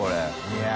いや。